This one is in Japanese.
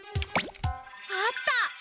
あった！